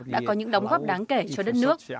đã có những đóng góp đáng kể cho đất nước